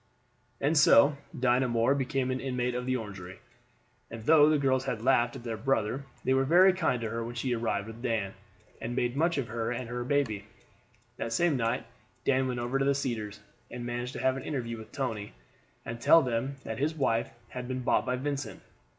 And so Dinah Moore became an inmate of the Orangery; and though the girls had laughed at their brother, they were very kind to her when she arrived with Dan, and made much of her and of her baby. The same night Dan went over to the Cedars, and managed to have an interview with Tony, and to tell him that his wife had been bought by Vincent.